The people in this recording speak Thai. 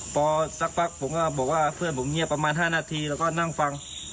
พอสักพักผมก็บอกว่าเพื่อนผมเงียบประมาณ๕นาทีแล้วก็นั่งฟัง